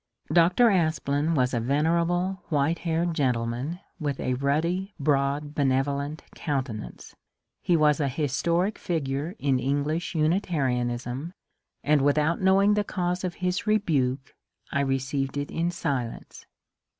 Dr. Aspland was a venerable white haired gen tleman with a ruddy, broad, benevolent countenance ; he was a historic figure in English Unitarianism, and without know ing the cause of his rebuke I received it in silence.